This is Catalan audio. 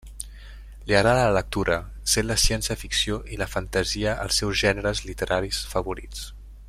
Li agrada la lectura, sent la ciència-ficció i la fantasia els seus gèneres literaris favorits.